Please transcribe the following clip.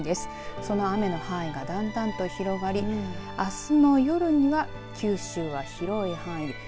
その雨の範囲がだんだんと広がりあすの夜には九州は広い範囲